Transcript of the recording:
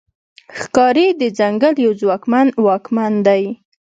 ښکاري د ځنګل یو ځواکمن واکمن دی.